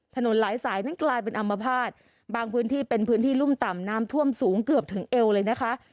ถนนหลายสายนั้นกลายเป็นอัมพาตบางพื้นที่เป็นพื้นที่รุ่มต่ำน้ำท่วมสูงเกือบถึงเอวเลยนะคะ